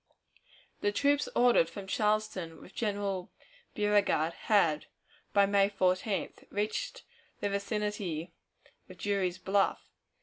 The troops ordered from Charleston with General Beauregard had, by May 14th, reached the vicinity of Drury's Bluff.